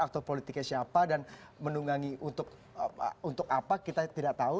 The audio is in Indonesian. aktor politiknya siapa dan menunggangi untuk apa kita tidak tahu